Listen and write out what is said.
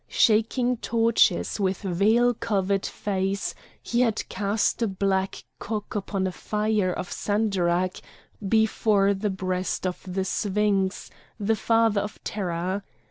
Shaking torches with veil covered face, he had cast a black cock upon a fire of sandarach before the breast of the Sphinx, the Father of Terror.